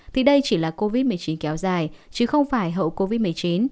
thì đây chỉ là covid một mươi chín kéo dài chứ không phải hậu covid một mươi chín